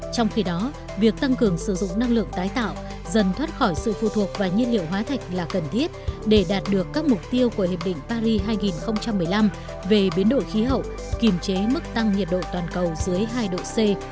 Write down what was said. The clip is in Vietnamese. trong khi đó việc tăng cường sử dụng năng lượng tái tạo dần thoát khỏi sự phụ thuộc và nhiên liệu hóa thạch là cần thiết để đạt được các mục tiêu của hiệp định paris hai nghìn một mươi năm về biến đổi khí hậu kiềm chế mức tăng nhiệt độ toàn cầu dưới hai độ c